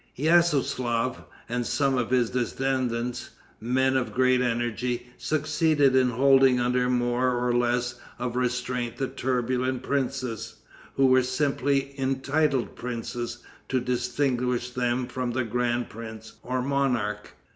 Ysiaslaf, and some of his descendants, men of great energy, succeeded in holding under more or less of restraint the turbulent princes, who were simply entitled princes, to distinguish them from the Grand Prince or monarch.